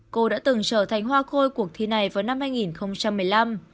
cô đã từng trở thành hoa khôi cuộc thi này vào năm hai nghìn một mươi năm